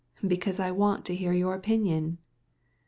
"But I want to hear your opinion."